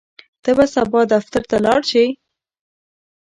ته به سبا دفتر ته لاړ شې؟